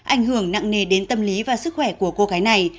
ảnh hưởng nặng nề đến tâm lý và sức khỏe của cô gái này